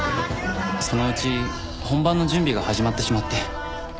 そのうち本番の準備が始まってしまって。